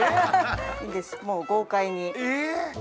もう豪快に。